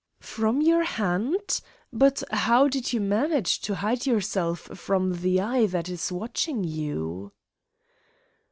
"From your hand? But how did you manage to hide yourself from the eye that is watching you?"